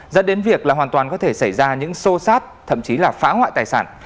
dẫn đến việc là hoàn toàn có thể xảy ra những xô xát thậm chí là phá hoại tài sản